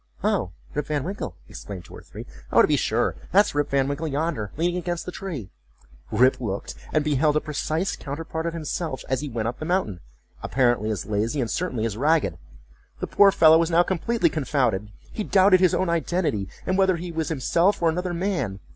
"Oh, Rip Van Winkle!" exclaimed two or three, "Oh, to be sure! that's Rip Van Winkle yonder, leaning against the tree."Rip looked, and beheld a precise counterpart of himself, as he went up the mountain: apparently as lazy, and certainly as ragged. The poor fellow was now completely confounded. He doubted his own identity, and whether he was himself or another man.